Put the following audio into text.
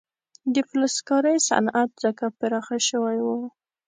د فلزکارۍ صنعت ځکه پراخ شوی و.